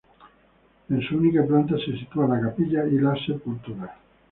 En su única planta se sitúa la capilla y las sepulturas.